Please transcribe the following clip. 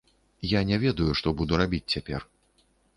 Я не ведаю, што буду рабіць цяпер.